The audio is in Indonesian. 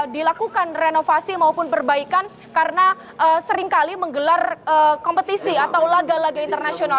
dilakukan renovasi maupun perbaikan karena seringkali menggelar kompetisi atau laga laga internasional